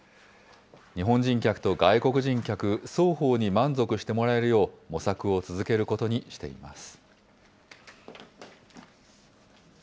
日本人客と外国人客双方に満足してもらえるよう、模索を続けることにしています。